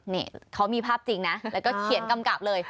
นี่เขามีภาพจริงนะแล้วก็เขียนกำกับเลย